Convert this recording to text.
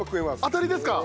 当たりですか？